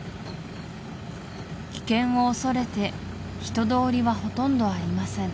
危険を恐れて人通りはほとんどありません